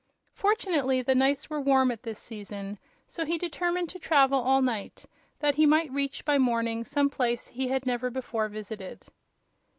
Fortunately the nights were warm at this season, so he determined to travel all night, that he might reach by morning some place he had never before visited.